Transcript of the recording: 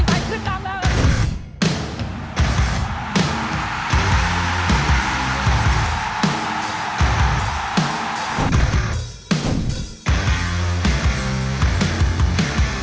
ทีละเตียงแล้ว